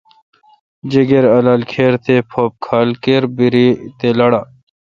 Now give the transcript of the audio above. جیکر، الالکر، تھے پھپ کھال کِربرییل تہ لاڑال۔